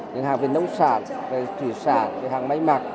những hàng về nông sản về thủy sản về hàng máy mạc